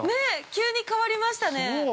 ◆急に変わりましたね。